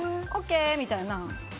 ＯＫみたいな。